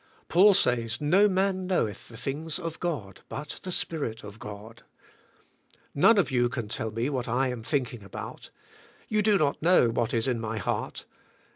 Paul says no man knoweth the things of God but the Spirit of God. None of you can tell what I am thinking about. You do not know wha.t is in my heart.